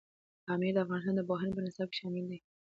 پامیر د افغانستان د پوهنې په نصاب کې شامل دی.